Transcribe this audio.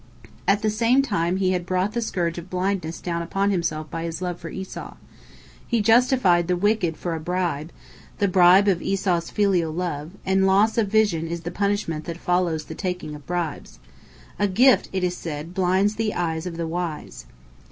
At the same time he had brought the scourge of blindness down upon himself by his love for Esau. He justified the wicked for a bribe, the bribe of Esau's filial love, and loss of vision is the punishment that follows the taking of bribes. "A gift," it is said, "blinds the eyes of the wise."